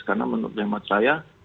karena menurut nyamat saya